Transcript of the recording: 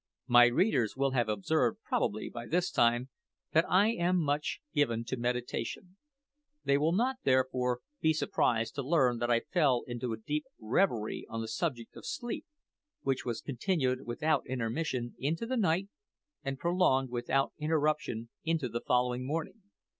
My readers will have observed, probably, by this time, that I am much given to meditation: they will not, therefore, be surprised to learn that I fell into a deep reverie on the subject of sleep, which was continued without intermission into the night, and prolonged without interruption into the following morning.